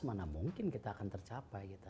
mana mungkin kita akan tercapai gitu